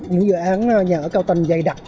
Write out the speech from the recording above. những dự án nhà ở cao tầng dày đặc